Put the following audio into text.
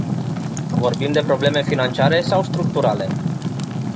Vorbim de probleme financiare sau structurale?